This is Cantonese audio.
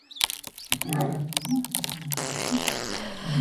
客貨量有望持續增加